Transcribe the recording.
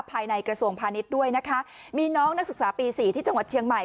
ภายในกระทรวงพาณิชย์ด้วยนะคะมีน้องนักศึกษาปีสี่ที่จังหวัดเชียงใหม่